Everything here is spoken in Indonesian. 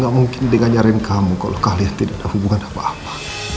gak mungkin dia nyariin kamu kalo kalian tidak ada hubungan apa apa